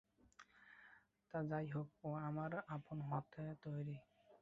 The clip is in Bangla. তা যাই হোক, ও আমার আপন হাতে তৈরী।